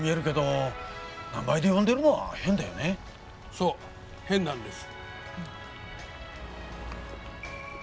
そう変なんです。